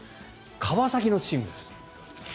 川崎のチームです。